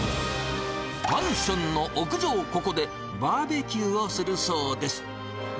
マンションの屋上、ここでバーベキューをするそうです。